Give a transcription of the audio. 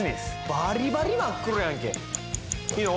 バリバリ真っ黒やんけいいの？